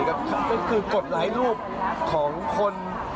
ก็คือกดไลค์รูปของคน